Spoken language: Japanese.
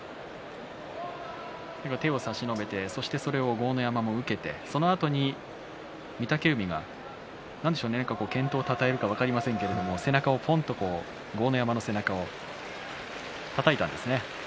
手を差し伸べてそしてそれを豪ノ山も受けてそのあとに御嶽海が何でしょうね、健闘をたたえるか分かりませんが、ぽんと豪ノ山の背中をたたいたんですね。